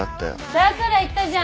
だから言ったじゃん。